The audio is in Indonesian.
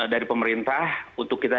dari pemerintah untuk kita